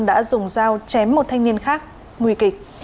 đã dùng dao chém một thanh niên khác nguy kịch